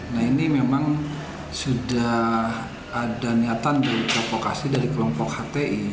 nah ini memang sudah ada niatan dari provokasi dari kelompok hti